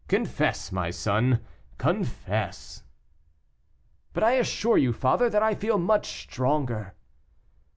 Confess, my son, confess." "But I assure you, father, that I feel much stronger."